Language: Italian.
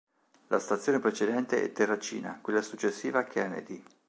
La stazione precedente è Terracina, quella successiva Kennedy.